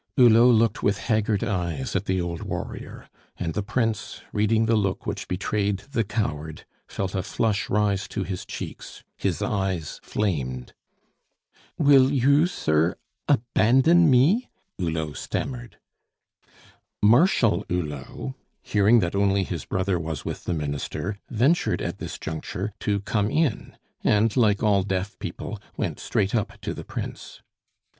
Hulot looked with haggard eyes at the old warrior; and the Prince, reading the look which betrayed the coward, felt a flush rise to his cheeks; his eyes flamed. "Will you, sir, abandon me?" Hulot stammered. Marshal Hulot, hearing that only his brother was with the Minister, ventured at this juncture to come in, and, like all deaf people, went straight up to the Prince.